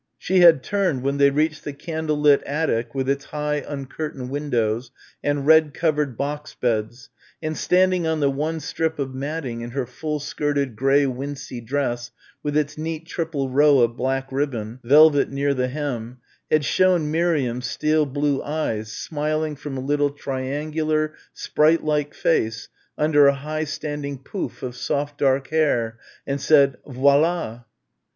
She had turned when they reached the candle lit attic with its high uncurtained windows and red covered box beds, and standing on the one strip of matting in her full skirted grey wincey dress with its neat triple row of black ribbon velvet near the hem, had shown Miriam steel blue eyes smiling from a little triangular sprite like face under a high standing pouf of soft dark hair, and said, "Voilà!"